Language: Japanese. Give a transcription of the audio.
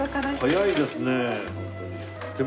早いですね。